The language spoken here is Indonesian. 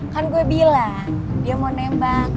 kan gue bilang dia mau nembak